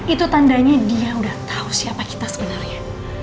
itu tandanya dia udah tau siapa kita sebenarnya